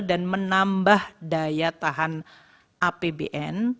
dan menambah daya tahan apbn